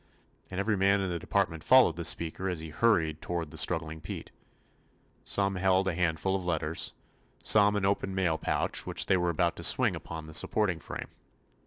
and every man in the department followed the speaker as he hurried toward the struggling Pete. Some held a handful of let ters, some an open mail pouch which they were about to swing upon the supporting frame.